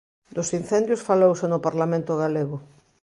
Dos incendios falouse no Parlamento galego.